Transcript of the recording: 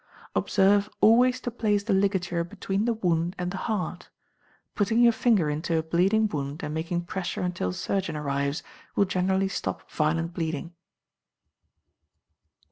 Observe always to place the ligature between the wound and the heart. Putting your finger into a bleeding wound, and making pressure until a surgeon arrives, will generally stop violent bleeding.